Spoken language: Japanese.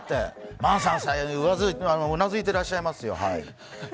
萬斎さん、うなずいていらっしゃいますよ。